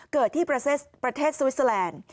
เกิดที่ประเทศสวิสเตอร์แลนด์